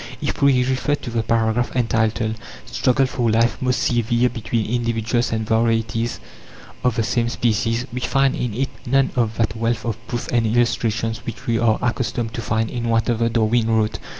If we refer to the paragraph entitled "Struggle for Life most severe between Individuals and Varieties of the same Species," we find in it none of that wealth of proofs and illustrations which we are accustomed to find in whatever Darwin wrote.